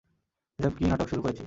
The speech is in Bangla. এসব কী নাটক শুরু করেছিস?